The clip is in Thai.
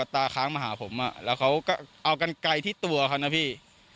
ค้างมาหาผมแล้วเขาก็เอากันไกลที่ตัวเขานะพี่